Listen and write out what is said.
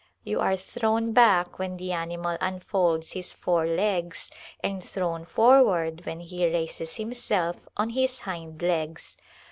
You are thrown back when the animal unfolds his fore legs and thrown forward when he raises himself on his hind legs.